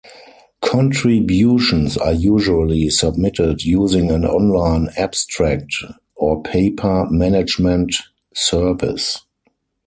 Contributions are usually submitted using an online abstract or paper management service.